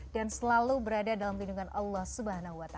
dan selalu berada dalam lindungan allah swt